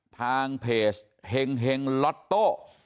ทางเพจเฮ็งเฮ็งล็อตโต้